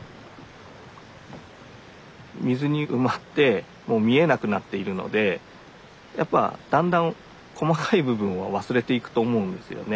水に埋まってもう見えなくなっているのでやっぱだんだん細かい部分は忘れていくと思うんですよね。